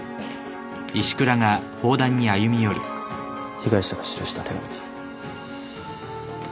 被害者が記した手紙です。